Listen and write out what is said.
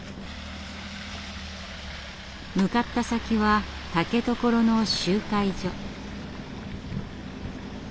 向かった先は竹所の集会所。